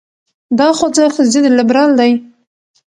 دا خوځښت ضد لیبرال دی.